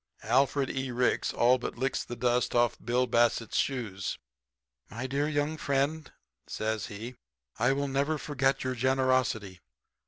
"Alfred E. Ricks all but licks the dust off of Bill Bassett's shoes. "'My dear young friend,' says he, 'I will never forget your generosity.